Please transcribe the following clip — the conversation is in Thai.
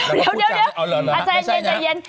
เดี๋ยวอาจารย์เย็นเดี๋ยว